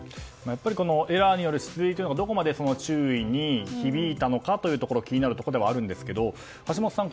エラーによる出塁というのがどこまで注意に響いたのかというところ気になるところではあるんですが橋下さん